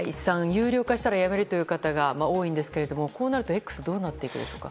有料化したらやめるという方が多いんですけれどもこうなると「Ｘ」はどうなっていくでしょうか。